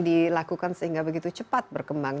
dilakukan sehingga begitu cepat berkembang